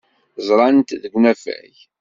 Ẓran-t deg unafag.